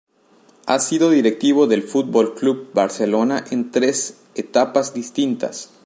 Ha sido directivo del Futbol Club Barcelona en tres etapas distintas.